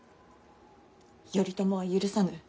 「頼朝は許さぬ」